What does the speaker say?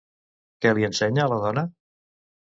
Què li ensenya a la dona?